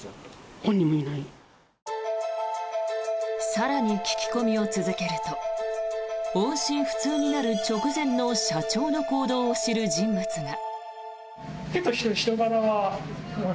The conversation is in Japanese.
更に聞き込みを続けると音信不通になる直前の社長の行動を知る人物が。